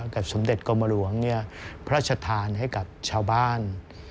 สมเด็จกรมหลวงพระชธานให้กับชาวบ้าน